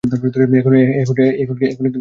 এখন কি তুমি আমার মোকাবিলা করবে, রাজকুমার।